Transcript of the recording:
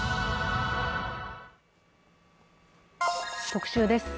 「特集」です。